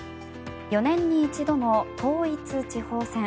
４年に一度の統一地方選。